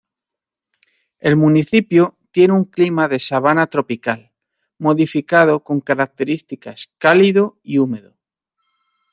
El municipio tiene un clima de sabana tropical, modificado con características cálido y húmedo.